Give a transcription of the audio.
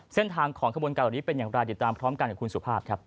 เส้นทางของขบวนการเหล่านี้เป็นอย่างไรติดตามพร้อมกันกับคุณสุภาพครับ